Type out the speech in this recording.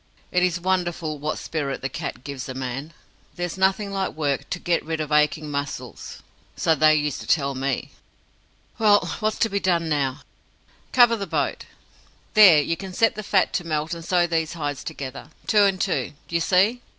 It is wonderful what spirit the cat gives a man. There's nothing like work to get rid of aching muscles so they used to tell me." "Well, what's to be done now?" "Cover the boat. There, you can set the fat to melt, and sew these hides together. Two and two, do you see?